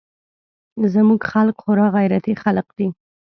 زموږ خلق خورا غيرتي خلق دي.